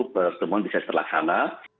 pertemuan bisa terlaksana